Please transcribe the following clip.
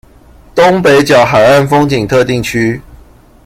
東北角海岸風景特定區